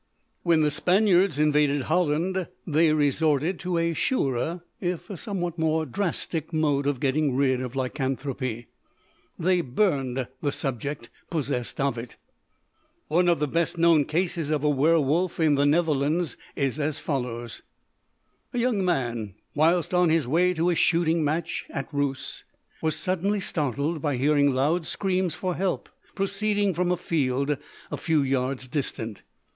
When the Spaniards invaded Holland they resorted to a surer, if a somewhat more drastic, mode of getting rid of lycanthropy they burned the subject possessed of it. One of the best known cases of a werwolf in the Netherlands is as follows: A young man, whilst on his way to a shooting match at Rousse, was suddenly startled by hearing loud screams for help proceeding from a field a few yards distant.